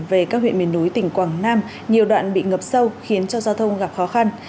về các huyện miền núi tỉnh quảng nam nhiều đoạn bị ngập sâu khiến cho giao thông gặp khó khăn